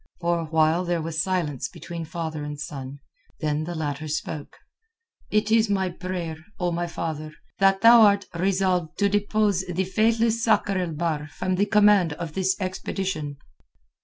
For a while there was silence between father and son, then the latter spoke. "It is my prayer, O my father, that thou art resolved to depose the faithless Sakr el Bahr from the command of this expedition."